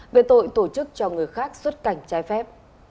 về tội tổ chức cho người khác xuất cảnh trái phép